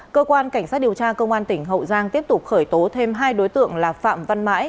cơ quan cảnh sát điều tra công an tỉnh hậu giang tiếp tục khởi tố thêm hai đối tượng là phạm văn mãi